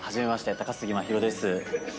高杉真宙です。